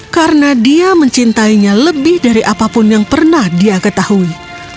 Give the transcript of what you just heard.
karena dia mencintainya lebih dari apapun yang pernah dia ketahui